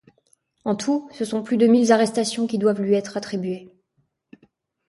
En tout, ce sont plus de mille arrestations qui doivent lui être attribuées.